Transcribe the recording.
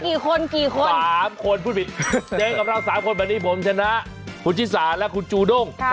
กี่คนกี่คน๓คนพูดผิดเจอกับเราสามคนแบบนี้ผมชนะคุณชิสาและคุณจูด้ง